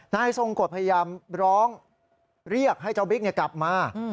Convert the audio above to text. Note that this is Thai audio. นายทรงกรพยามเรียกให้เจ้าบิ๊กกลับมา